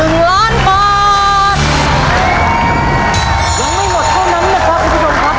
ยังไม่หมดเท่านั้นนะครับคุณผู้ชมครับ